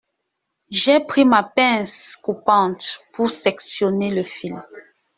J’ai pris ma pince coupante pour sectionner le fil.